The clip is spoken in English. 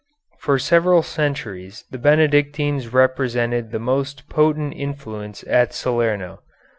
For several centuries the Benedictines represented the most potent influence at Salerno.